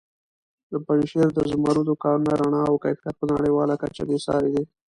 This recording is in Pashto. د پنجشېر د زمردو کانونو رڼا او کیفیت په نړیواله کچه بې ساري دی.